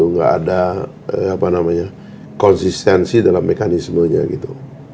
nggak ada konsistensi dalam mekanismenya gitu